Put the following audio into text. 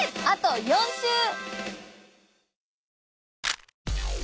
あと４週！